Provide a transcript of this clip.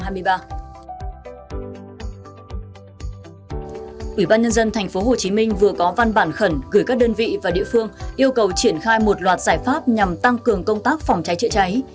ủy ban nhân dân tp hcm vừa có văn bản khẩn gửi các đơn vị và địa phương yêu cầu triển khai một loạt giải pháp nhằm tăng cường công tác phòng cháy chữa cháy